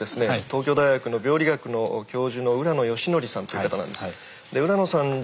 東京大学の病理学の教授の浦野順文さんという方なんです。